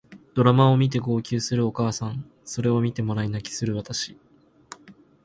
ドラマを見て号泣するお母さんそれを見てもらい泣きする私